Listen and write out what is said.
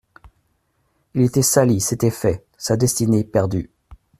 Il était sali, c'était fait ; sa destinée perdue.